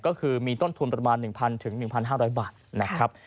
ก็คือมีต้นทุนประมาณ๑๐๐๑๕๐๐บาทนะครับ